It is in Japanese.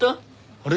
あれ？